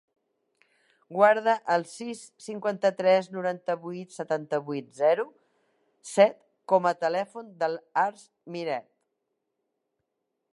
Guarda el sis, cinquanta-tres, noranta-vuit, setanta-vuit, zero, set com a telèfon de l'Arç Mirete.